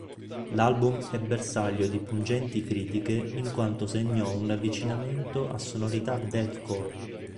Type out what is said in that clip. L'album è bersaglio di pungenti critiche in quanto segnò un avvicinamento a sonorità deathcore.